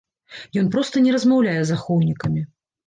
Ён проста не размаўляе з ахоўнікамі.